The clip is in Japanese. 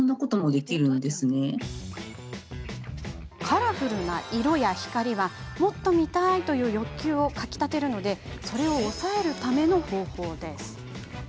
カラフルな色や光はもっと見たいと欲求をかきたてるので、それを抑えるための方法です。